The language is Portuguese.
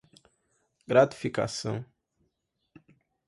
gratificação